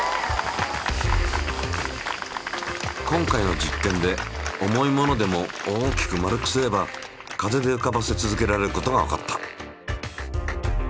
今回の実験で重いものでも大きく丸くすれば風で浮かばせ続けられることがわかった。